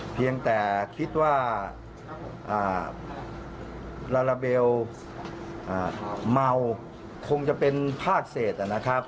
เพียงแต่คิดว่าลาลาเบลเมาคงจะเป็นภาคเศษนะครับ